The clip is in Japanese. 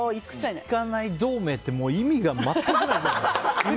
口きかない同盟って意味が全く分からない。